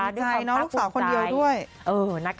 ขอบคุณใจนะลูกสาวคนเดียวด้วย